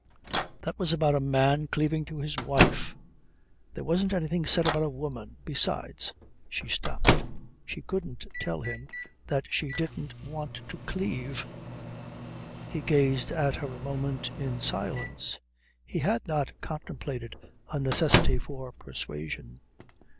"That was about a man cleaving to his wife. There wasn't anything said about a woman. Besides " She stopped. She couldn't tell him that she didn't want to cleave. He gazed at her a moment in silence. He had not contemplated a necessity for persuasion.